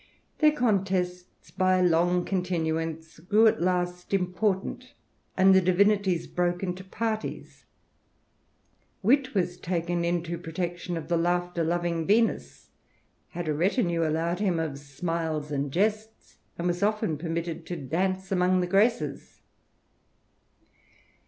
Their contests, by long continuance, grew at last im portant, and the divinities broke into parties. Wit was taken into protection of the laughter loving Venus, had a retinue allowed him of Smiles and Jests, and was often permitted to dance among the Graces.